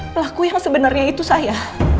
pelaku yang sebenarnya itu saya